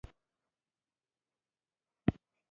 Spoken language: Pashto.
ـ تميز که غواړئ تل به ژاړئ.